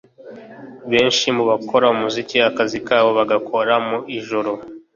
Benshi mu bakora umuziki akazi kabo bagakora mu ijoro